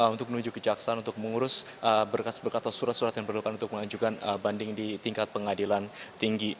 untuk menuju kejaksaan untuk mengurus berkas berkas atau surat surat yang diperlukan untuk mengajukan banding di tingkat pengadilan tinggi